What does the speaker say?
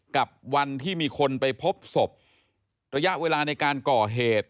กับวันที่มีคนไปพบศพระยะเวลาในการก่อเหตุ